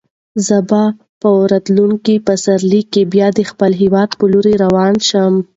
زه به په راتلونکي پسرلي کې بیا د خپل هیواد په لور روان شم.